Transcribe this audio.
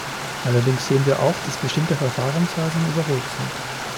Allerdings sehen wir auch, dass bestimmte Verfahrensweisen überholt sind.